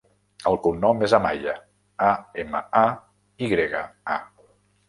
El cognom és Amaya: a, ema, a, i grega, a.